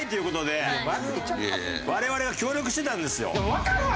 わかるわ！